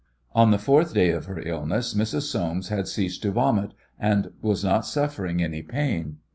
On the fourth day of her illness Mrs. Soames had ceased to vomit, and was not suffering any pain.